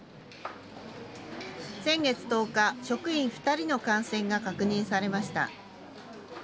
先月１０日、職員２人の感染が確認されました。